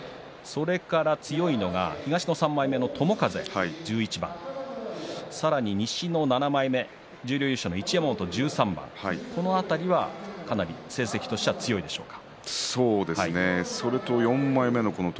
それから強いのが、東の３枚目友風、１１番さらに西の７枚目で十両優勝の一山本、１３番、この辺りはかなり成績としては強いでしょうか。